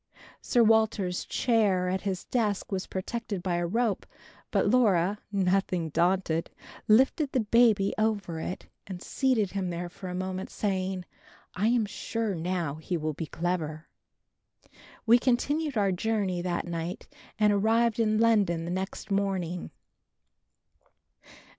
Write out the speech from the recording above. Sir Walter's chair at his desk was protected by a rope, but Laura, nothing daunted, lifted the baby over it and seated him there for a moment saying "I am sure, now, he will be clever." We continued our journey that night and arrived in London the next morning.